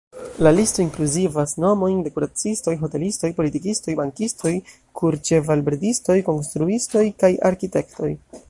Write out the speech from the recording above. La listo inkluzivas nomojn de kuracistoj, hotelistoj, politikistoj, bankistoj, kurĉevalbredistoj, konstruistoj kaj arkitektoj.